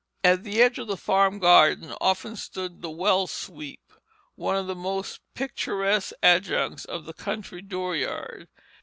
At the edge of the farm garden often stood the well sweep, one of the most picturesque adjuncts of the country dooryard.